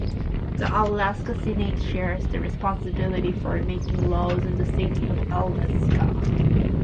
The Alaska Senate shares the responsibility for making laws in the state of Alaska.